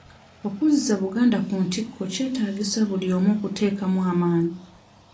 Okuzza Buganda ku ntikko kyetaagisa buli omu okuteekamu amaanyi.